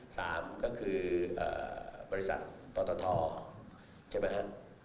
สามก็คือบริษัทปตทใช่ไหมฮะ